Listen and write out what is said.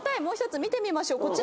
もう１つ見てみましょう。